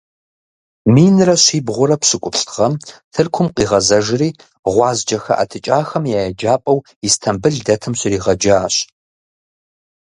Минрэ щибгъурэ пщыкӀуплӀ гъэм Тыркум къигъэзэжри гъуазджэ хэӀэтыкӀахэм я еджапӀэу Истамбыл дэтым щригъэджащ.